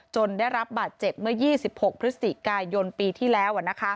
ได้รับบาดเจ็บเมื่อ๒๖พฤศจิกายนปีที่แล้ว